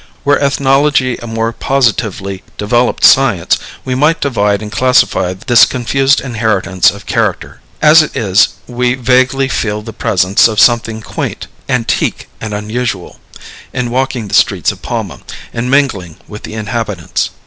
Were ethnology a more positively developed science, we might divide and classify this confused inheritance of character; as it is, we vaguely feel the presence of something quaint, antique, and unusual, in walking the streets of Palma, and mingling with the inhabitants.